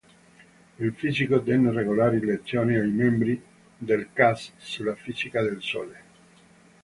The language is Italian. Il fisico tenne regolari lezioni ai membri del cast sulla fisica del sole.